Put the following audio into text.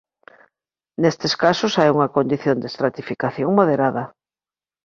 Nestes casos hai unha condición de estratificación moderada.